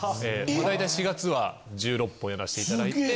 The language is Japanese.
大体４月は１６本やらせていただいて。